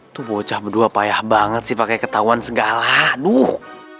tuh bocah berdua payah banget sih pakai ketahuan segala duh